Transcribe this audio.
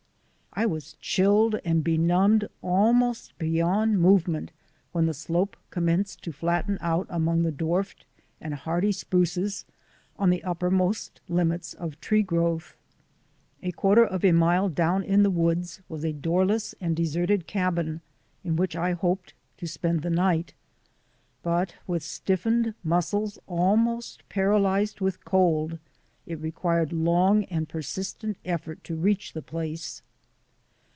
I was chilled and benumbed almost beyond movement when the slope commenced to flatten out among the dwarfed and hardy spruces on the uppermost limits of tree growth. A quarter of a mile down in the woods was a doorless and deserted cabin in which I hoped to spend the night, but with stiffened muscles almost paralyzed with cold it re quired long and persistent effort to reach the place.